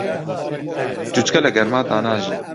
جوچکە لە گەرمادا ناژی.